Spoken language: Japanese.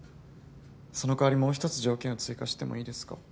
その代わりもう一つ条件を追加してもいいですか？